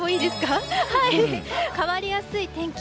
変わりやすい天気。